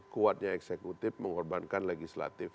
kuatnya eksekutif mengorbankan legislatif